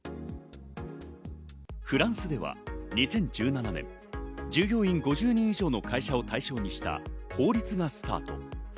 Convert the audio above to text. フランスでは２０１７年、従業員５０人以上の会社を対象にした法律がスタート。